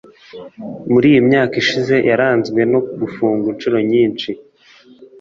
muri iyi myaka ishize yaranzwe no gufungwa inshuro nyinshi